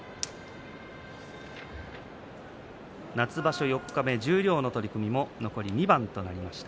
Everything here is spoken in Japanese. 夏場所四日目、十両の取組も残り２番となりました。